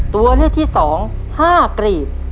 ตัวเลือกที่สอง๕กลีบ